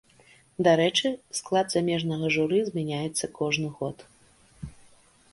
Дарэчы, склад замежнага журы змяняецца кожны год.